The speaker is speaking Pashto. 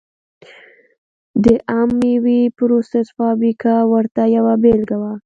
د عم مېوې پروسس فابریکه ورته یوه بېلګه وه.